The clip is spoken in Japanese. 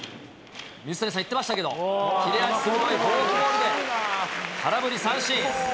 水谷さん、言ってましたけど、キレの鋭いフォークボールで空振り三振。